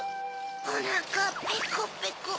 おなかペコペコ。